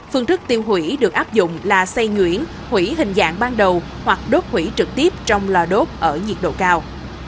phương thức tiêu hủy được áp dụng là xây nhuyễn hủy hình dạng ban đầu hoặc đốt hủy trực tiếp trong lò đốt ở nhiệt độ cao